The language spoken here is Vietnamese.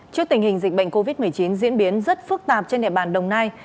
trước tình hình dịch bệnh covid một mươi chín diễn biến rất phức tạp trên địa bàn đồng nai